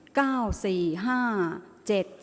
ออกรางวัลที่๖เลขที่๗